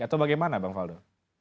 atau bagaimana bang waldo